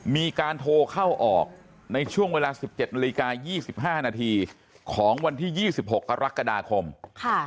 มีการโทรเข้าออกในช่วงเวลา๑๗นาฬิกา๒๕นาทีของวันที่๒๖กรกฎาคมค่ะ